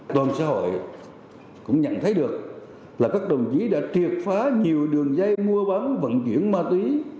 toàn xã hội cũng nhận thấy được là các đồng chí đã triệt phá nhiều đường dây mua bán vận chuyển ma túy